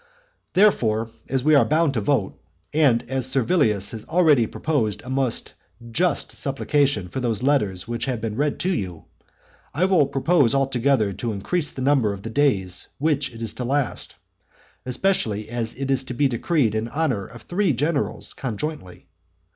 Therefore, as we are bound to vote, and as Servilius has already proposed a most just supplication for those letters which have been read to you; I will propose altogether to increase the number of the days which it is to last, especially as it is to be decreed in honour of three generals conjointly.